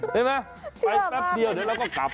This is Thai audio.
เห็นไหมไปแป๊บเดียวเดี๋ยวเราก็กลับ